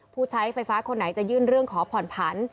ผู้ใช้ไฟฟ้าคนไหนจะยื่นเรื่องขอผ่อนผัน